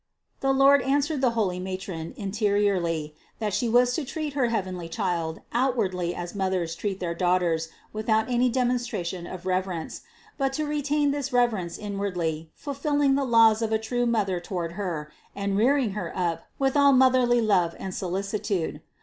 329. The Lord answered the holy matron interiorly, that she was to treat her heavenly Child outwardly as mothers treat their daughters, without any demonstration of reverence; but to retain this reverence inwardly, ful filling the laws of a true mother toward Her, and rearing Her up with all motherly love and solicitude.